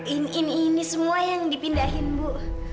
ini ini semua yang dipindahin bu